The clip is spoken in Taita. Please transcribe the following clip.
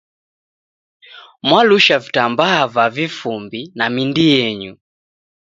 Mwalusha vitambaa va vifumbi na mindi yenyu.